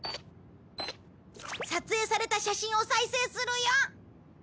撮影された写真を再生するよ。